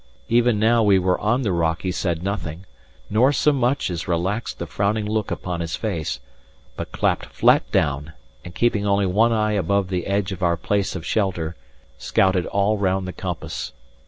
Even now we were on the rock he said nothing, nor so much as relaxed the frowning look upon his face; but clapped flat down, and keeping only one eye above the edge of our place of shelter scouted all round the compass.